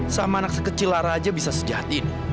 sama anak sekecil lara aja bisa sejahatin